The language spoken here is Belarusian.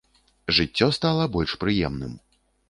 Жыццё стала больш прыемным.